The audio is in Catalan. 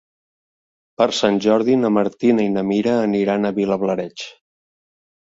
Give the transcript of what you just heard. Per Sant Jordi na Martina i na Mira aniran a Vilablareix.